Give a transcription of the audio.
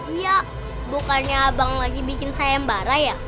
iya bukannya abang lagi bikin sayam bara ya